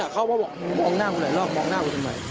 เขาก็บอกมองหน้ากูไหนแล้วมองหน้ากูทำไม